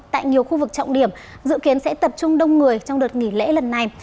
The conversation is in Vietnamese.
tại nhiều khu vực trọng điểm dự kiến sẽ tập trung đông người trong đợt nghỉ lễ lần này